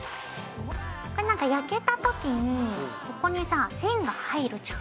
こうなんか焼けた時にここにさ線が入るじゃん。